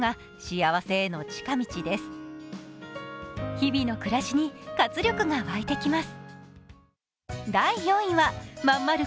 日々の暮らしに活力が湧いてきます。